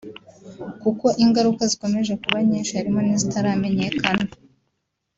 kuko ingaruka zikomeje kuba nyinshi harimo n’izitaramenyekana